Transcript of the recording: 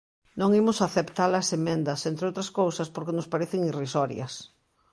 Non imos aceptar as emendas, entre outras cousas, porque nos parecen irrisorias.